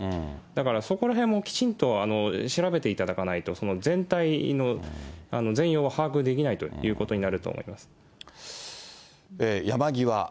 だからそこらへんもきちんと調べていただかないと、全体の全容は把握できないということになると思います。